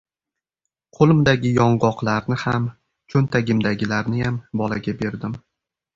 Qo‘limdagi yong‘oqlarni ham, cho‘ntagimdagilarniyam bolaga berdim.